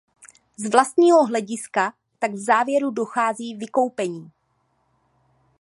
Z vlastního hlediska tak v závěru dochází vykoupení.